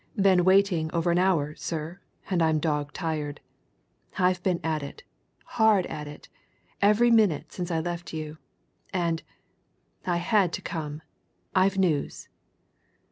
"Been waiting over an hour, sir and I'm dog tired. I've been at it, hard at it! every minute since I left you. And I had to come. I've news."